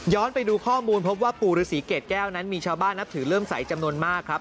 ไปดูข้อมูลพบว่าปู่ฤษีเกรดแก้วนั้นมีชาวบ้านนับถือเริ่มใสจำนวนมากครับ